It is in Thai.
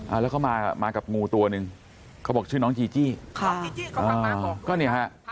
แล้วเขามามากับงูตัวหนึ่งเขาบอกชื่อน้องจีจี้ค่ะก็เนี่ยฮะ